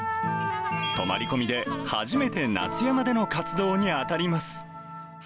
泊まり込みで初めて夏山での活動に当たります。